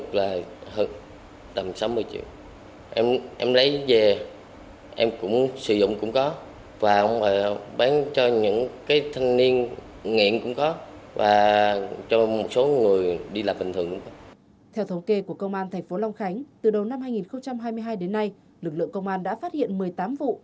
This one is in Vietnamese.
theo thống kê của công an thành phố long khánh từ đầu năm hai nghìn hai mươi hai đến nay lực lượng công an đã phát hiện một mươi tám vụ